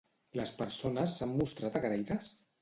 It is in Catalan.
Les persones s'han mostrat agraïdes?